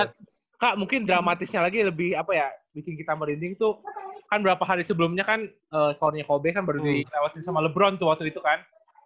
dan kak mungkin dramatisnya lagi lebih apa ya bikin kita merinding tuh kan beberapa hari sebelumnya kan soalnya kobe kan baru dilewatin sama lebron tuh waktu itu kan